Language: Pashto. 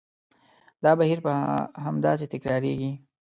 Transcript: دا بهیر به همداسې تکرارېږي.